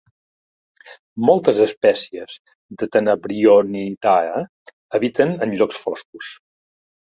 Moltes espècies de Tenebrionidae habiten en llocs foscos.